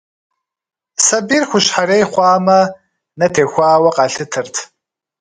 Сабийр хущхьэрей хъуамэ, нэ техуауэ къалъытэрт.